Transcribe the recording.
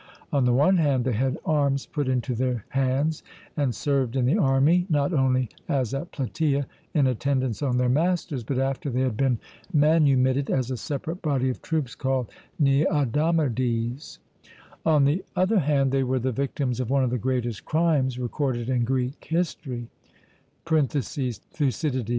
On the one hand, they had arms put into their hands, and served in the army, not only, as at Plataea, in attendance on their masters, but, after they had been manumitted, as a separate body of troops called Neodamodes: on the other hand, they were the victims of one of the greatest crimes recorded in Greek history (Thucyd.).